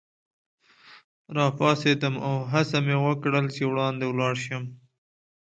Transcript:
راپاڅېدم او هڅه مې وکړل چي وړاندي ولاړ شم.